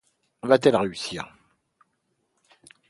Va-t-elle réussir?